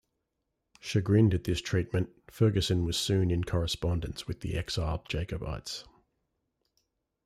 Chagrined at this treatment, Ferguson was soon in correspondence with the exiled Jacobites.